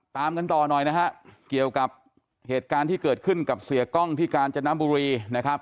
ตามกันต่อหน่อยนะฮะเกี่ยวกับเหตุการณ์ที่เกิดขึ้นกับเสียกล้องที่กาญจนบุรีนะครับ